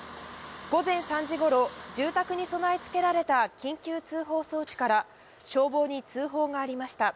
午前３時頃、住宅に備え付けられた緊急通報装置から消防に通報がありました。